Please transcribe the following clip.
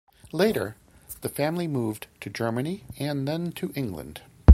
Later, the family moved to Germany and then to England.